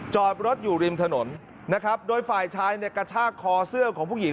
จอดรถอยู่ริมถนนโดยฝ่ายชายกระช่าคอเสื้อของผู้หญิง